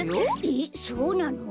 えっそうなの？